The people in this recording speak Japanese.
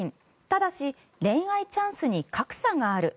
ただし恋愛チャンスに格差がある。